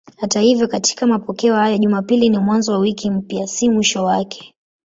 Hata hivyo katika mapokeo hayo Jumapili ni mwanzo wa wiki mpya, si mwisho wake.